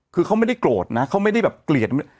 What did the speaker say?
คือเขาไม่ได้โกรธนะเขาไม่ได้แบบเกลียด